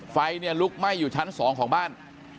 ไฟเนี่ยลุกไหม้อยู่ชั้น๒ของบ้าน